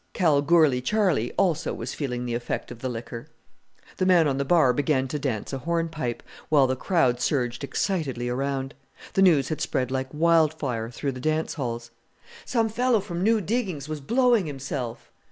Kalgoorlie Charlie also was feeling the effect of the liquor. The man on the bar began to dance a hornpipe, while the crowd surged excitedly around. The news had spread like wildfire through the dance halls. "Some fellow from new diggings was blowing himself!"